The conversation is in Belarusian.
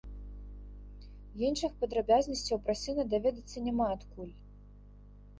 Іншых падрабязнасцяў пра сына даведацца няма адкуль.